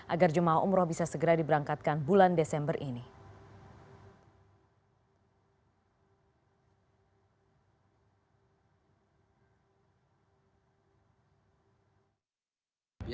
agar jemaah umroh bisa segera diberangkatkan bulan desember ini